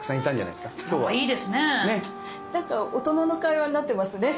なんか大人の会話になってますね。